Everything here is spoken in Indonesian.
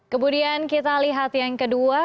kemudian kita lihat yang kedua